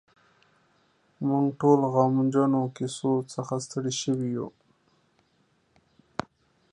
موږ ټول د غمجنو کیسو څخه ستړي شوي یو.